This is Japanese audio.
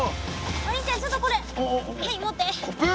お兄ちゃんちょっとこれはい持って。